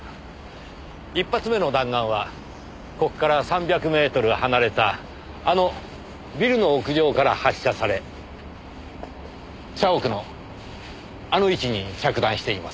１発目の弾丸はここから３００メートル離れたあのビルの屋上から発射され社屋のあの位置に着弾しています。